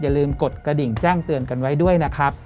อย่าลืมกดกระดิ่งแจ้งเตือนกันไว้ด้วยนะครับ